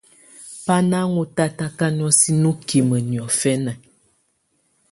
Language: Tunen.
Bá na ɔ́n tatakà nɔ̀ósɛ̀ bukimǝ niɔ̀fɛna.